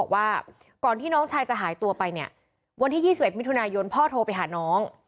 บอกว่าก่อนที่น้องชายจะหายตัวไปเนี่ยวันที่๒๑มิถุนายนพ่อโทรไปหาน้อง